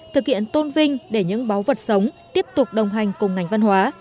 thực hiện tôn vinh để những báu vật sống tiếp tục đồng hành cùng ngành văn hóa